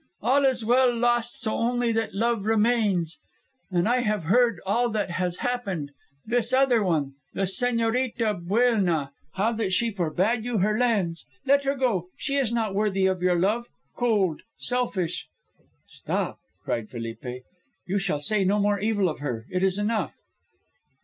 All is well lost so only that love remains.' And I have heard all that has happened this other one, the Señorita Buelna, how that she for bade you her lands. Let her go; she is not worthy of your love, cold, selfish " "Stop!" cried Felipe, "you shall say no more evil of her. It is enough."